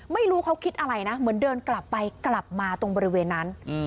ไม่รู้เขาคิดอะไรนะเหมือนเดินกลับไปกลับมาตรงบริเวณนั้น